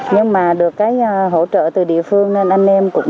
nhưng mà được cái hỗ trợ từ địa phương nên anh em cũng